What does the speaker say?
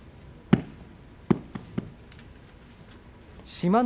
志摩ノ